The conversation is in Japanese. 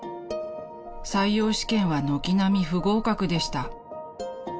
［採用試験は軒並み不合格でした］